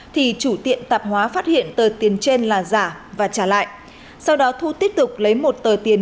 thì chủ tiệm tạp hóa phát hiện tờ tiền trên là giả và trả lại sau đó thu tiếp tục lấy một tờ tiền